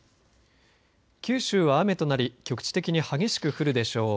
九州は雨となり局地的に激しく降るでしょう。